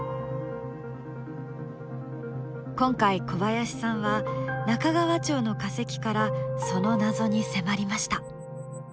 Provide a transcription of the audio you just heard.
今回小林さんは中川町の化石からその謎に迫りました。